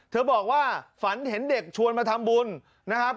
บอกว่าฝันเห็นเด็กชวนมาทำบุญนะครับ